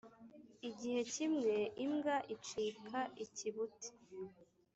igihe kimwe imbwa icika ikibuti